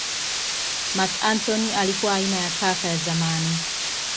Marc Antony alikuwa aina ya kaka ya zamani